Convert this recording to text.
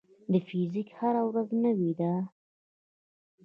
د فزیک هره ورځ نوې ده.